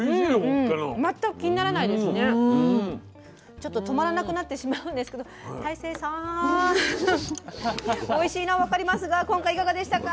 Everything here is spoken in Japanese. ちょっと止まらなくなってしまうんですけど大聖さんおいしいのは分かりますが今回いかがでしたか？